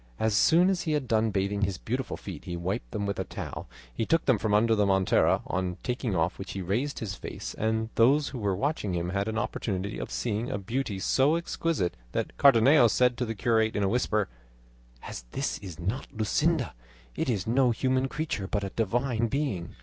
As soon as he had done bathing his beautiful feet, he wiped them with a towel he took from under the montera, on taking off which he raised his face, and those who were watching him had an opportunity of seeing a beauty so exquisite that Cardenio said to the curate in a whisper: "As this is not Luscinda, it is no human creature but a divine being."